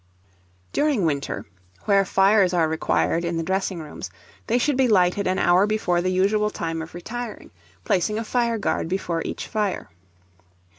During winter, where fires are required in the dressing rooms, they should be lighted an hour before the usual time of retiring, placing a fire guard before each fire.